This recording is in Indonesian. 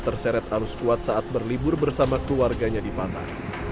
terseret alus kuat saat berlibur bersama keluarganya di patah